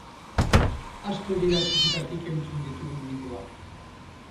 Asko dira txikitatik entzun ditugun mitoak.